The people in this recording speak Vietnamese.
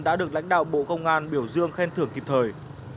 đã được lãnh đạo bộ công an biểu dương khen thưởng kịp thời